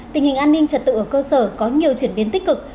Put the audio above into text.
tình hình an ninh trật tự ở cơ sở có nhiều chuyển biến tích cực